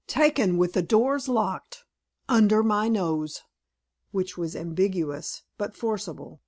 taken with the doors locked under my nose." Which was ambiguous, but forcible.